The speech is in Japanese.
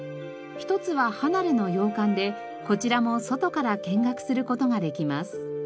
一つは離れの洋館でこちらも外から見学する事ができます。